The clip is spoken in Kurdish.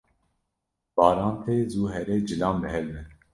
Baran tê zû here cilan bihevde.